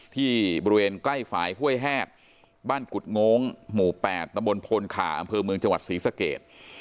ที่บริเวณใกล้ฝ่ายห้วยแฮดบ้านกุฎง้องหมู่๘ตพขอมจศรีสเกต